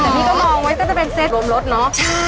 เดี๋ยวพี่ก็มองไว้ก็จะเป็นเซตโรมรสเนาะ